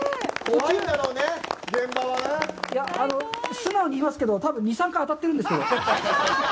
素直にいいますけど、多分、２、３回、当たっているんですよ。